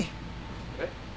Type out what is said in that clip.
えっ？